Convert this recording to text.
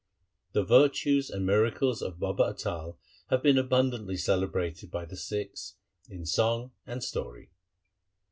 The virtues and miracles of Baba Atal have been abundantly celebrated by the Sikhs in song and story.